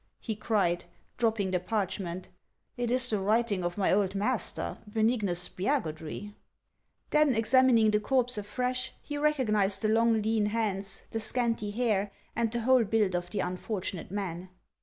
" he cried, dropping the parchment ;" it is the writing of my old master, Beniguus Spiagudry !" Then, examining the corpse afresh, he recognized the long lean hands, the scanty hair, and the whole build of the unfortunate man.